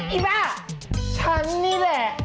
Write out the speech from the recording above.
อีบ้าฉันนี่แหละ